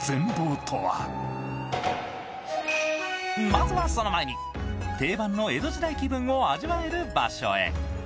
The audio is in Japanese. まずは、その前に定番の江戸時代気分を味わえる場所へ。